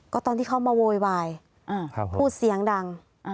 ก็ตอนที่เขามาโวยวายพูดเสียงดัง